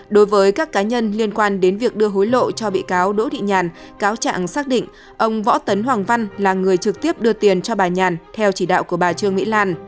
đối với các cá nhân liên quan đến việc đưa hối lộ cho bị cáo đỗ thị nhàn cáo trạng xác định ông võ tấn hoàng văn là người trực tiếp đưa tiền cho bà nhàn theo chỉ đạo của bà trương mỹ lan